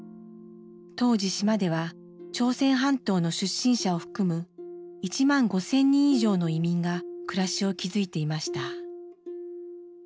当時島では朝鮮半島の出身者を含む１万５，０００人以上の移民が暮らしを築いていました。